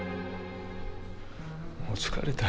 もう疲れた。